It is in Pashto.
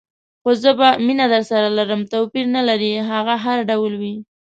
خو زه به مینه درسره لرم، توپیر نه لري هغه هر ډول وي.